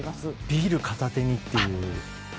ビール片手にっていう。